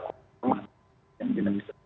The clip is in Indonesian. yang tidak bisa